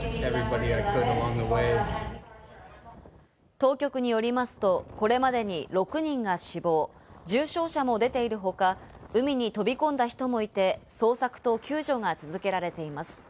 当局によりますと、これまでに６人が死亡、重傷者も出ている他、海に飛び込んだ人もいて、捜索と救助が続けられています。